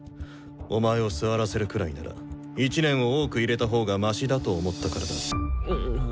お前を座らせるくらいなら１年を多く入れたほうがマシだと思ったからだ。